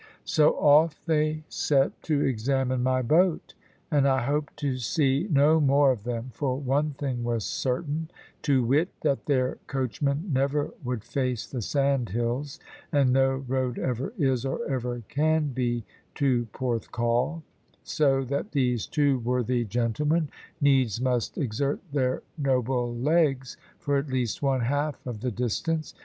So off they set to examine my boat; and I hoped to see no more of them, for one thing was certain to wit, that their coachman never would face the sandhills, and no road ever is, or ever can be, to Porthcawl; so that these two worthy gentlemen needs must exert their noble legs for at least one half of the distance.